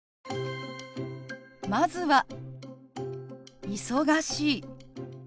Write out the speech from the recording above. まずは「忙しい」。